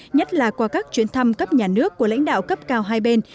nhất là qua các chuyến thăm cấp nhà nước của lãnh đạo cấp cao hai bên